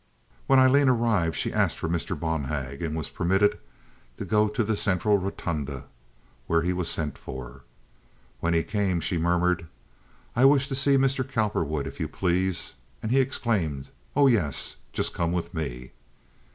When Aileen arrived she asked for Mr. Bonhag, and was permitted to go to the central rotunda, where he was sent for. When he came she murmured: "I wish to see Mr. Cowperwood, if you please"; and he exclaimed, "Oh, yes, just come with me."